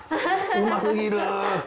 うますぎる！